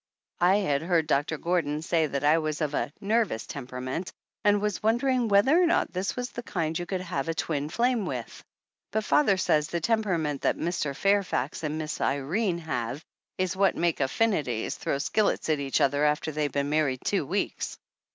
I had heard Doctor Gordon say that I was of a nervous temperament and was wondering whether or not this was the kind you could have a twin flame with ; but father says the tempera ment that Mr. Fairfax and Miss Irene have is what makes affinities throw skillets at each other after they've been married two weeks.